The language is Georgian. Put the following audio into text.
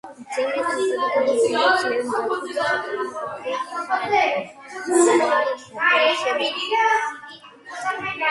მძიმე ტანკები გამოიყენება ძლიერი დაცვის საწინააღმდეგოდ და და საერთო საომარი ოპერაციებისათვის.